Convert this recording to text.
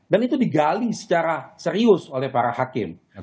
dan itu digali secara serius oleh para hakikat